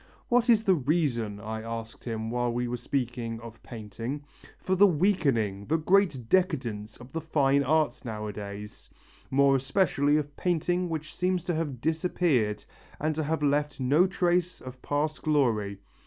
'What is the reason,' I asked him while we were speaking of painting, 'for the weakening, the great decadence of the fine arts nowadays; more especially of painting which seems to have disappeared and to have left no trace of past glory?